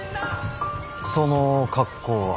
その格好は？